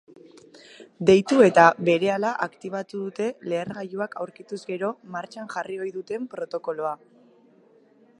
Deitu eta berehala aktibatu dute lehergailuak aurkituz gero martxan jarri ohi duten protokoloa.